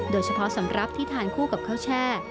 โดยเฉพาะสำหรับที่ทานคู่กับข้าวแช่